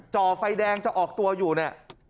จ่อไฟแดงจะออกตัวอยู่เนี่ย